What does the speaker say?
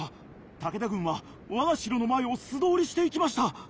武田軍は我が城の前を素通りしていきました。